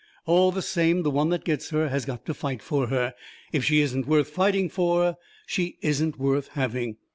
All the same, the one that gets her has got to fight for her. If she isn't worth fighting for, she isn't worth having.